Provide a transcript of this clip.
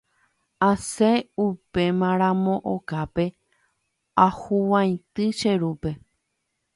Asẽ upémaramo okápe ahuvaitĩ che rúpe.